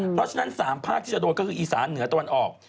เพราะฉะนั้น๓ภาคที่จะโดนก็คืออีสานเหนือตะวันออก